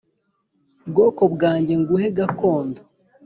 Bwoko bwange nguhe gakondo